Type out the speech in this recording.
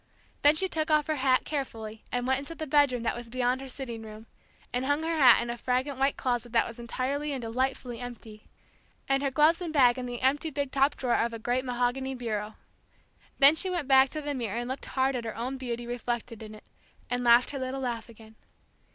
Then she took off her hat carefully and went into the bedroom that was beyond her sitting room, and hung her hat in a fragrant white closet that was entirely and delightfully empty, and put her coat on a hanger, and her gloves and bag in the empty big top drawer of a great mahogany bureau. Then she went back to the mirror and looked hard at her own beauty reflected in it; and laughed her little laugh again.